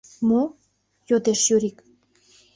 — Мо? — йодеш Юрик.